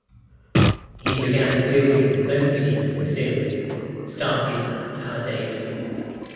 He began fielding his own team in the series starting at Talladega.